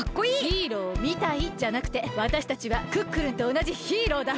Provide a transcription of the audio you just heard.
「ヒーローみたい」じゃなくてわたしたちはクックルンとおなじヒーローだ！